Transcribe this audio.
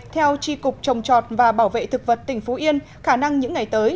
theo chi cục trồng trọt và bảo vệ thực vật tỉnh phú yên khả năng những ngày tới